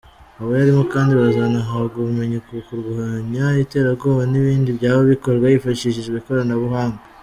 Abayarimo kandi bazanahabwa ubumenyi ku kurwanya iterabwoba n’ibindi byaha bikorwa hifashishijwe ikoranabuhanga.